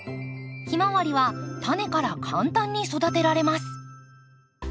ヒマワリはタネから簡単に育てられます。